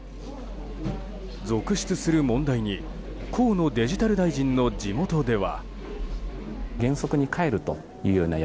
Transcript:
続出する問題に河野デジタル大臣の地元では。